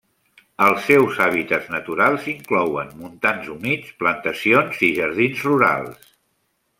Els seus hàbitats naturals inclouen montans humits, plantacions i jardins rurals.